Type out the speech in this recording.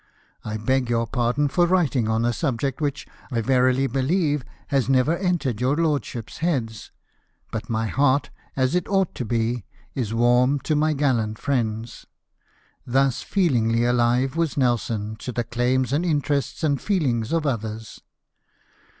I beg your pardon for writing on a subject which, I verily believe, has never entered your lordships' heads; but my heart, as it ought to be, is warm to my gallant friends." Thus feelingly alive was Nelson to the claims and interests and feelings of others.